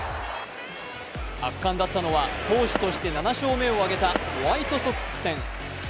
圧巻だったのは投手として７勝目を挙げたホワイトソックス戦。